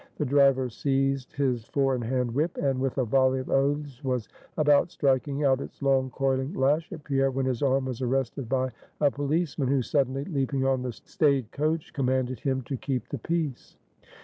The driver seized his four in hand whip, and with a volley of oaths was about striking out its long, coiling lash at Pierre, when his arm was arrested by a policeman, who suddenly leaping on the stayed coach, commanded him to keep the peace.